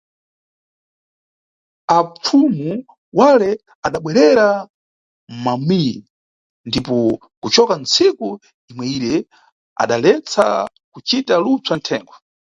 Ampfumu wale adabwerera mʼmamiyi, ndipo kucoka ntsiku imweyire, adaletsa kucita lupsa nʼthengo.